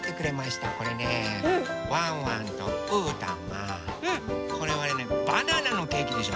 これねワンワンとうーたんがこれはバナナのケーキでしょ